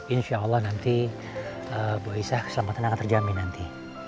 insya allah nanti buah isah keselamatan akan terjamin nanti